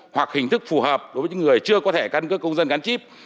hoặc hình thức phù hợp đối với những người chưa có thẻ căn cước công dân gắn chip